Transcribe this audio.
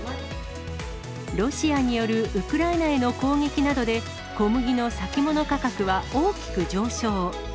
ロシアによるウクライナへの攻撃などで、小麦の先物価格は大きく上昇。